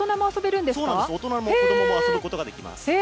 大人も子供も遊べることができますよ。